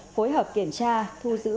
phối hợp kiểm tra thu giữ